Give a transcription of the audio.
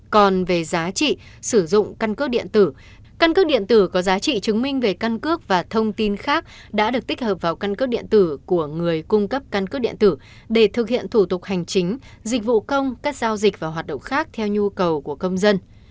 còn về giá trị sử dụng căn cước điện tử căn cước điện tử có giá trị chứng minh về căn cước và thông tin khác đã được tích hợp vào căn cước điện tử của người cung cấp căn cước điện tử để thực hiện thủ tục hành chính dịch vụ công các giao dịch và hoạt động khác theo nhu cầu của công dân